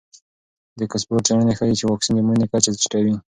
د اکسفورډ څېړنې ښیي چې واکسین د مړینې کچه ټیټوي.